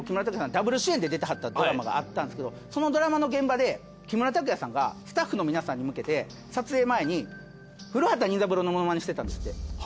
ダブル主演で出てはったドラマがあったんですけどそのドラマの現場で木村拓哉さんがスタッフの皆さんに向けて撮影前に古畑任三郎のモノマネしてたんですって。